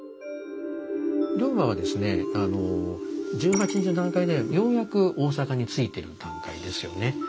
龍馬はですね１８日の段階ではようやく大坂に着いてる段階ですよね。